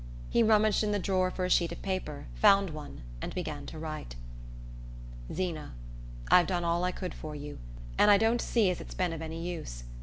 He rummaged in the drawer for a sheet of paper, found one, and began to write. "Zeena, I've done all I could for you, and I don't see as it's been any use.